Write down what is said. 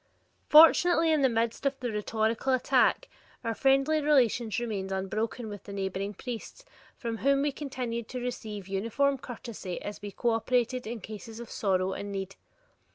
Fortunately in the midst of the rhetorical attack, our friendly relations remained unbroken with the neighboring priests from whom we continued to receive uniform courtesy as we cooperated in cases of sorrow and need.